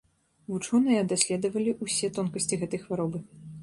Вучоныя даследавалі ўсе тонкасці гэтай хваробы.